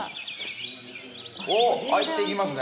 おおっ入っていきますね。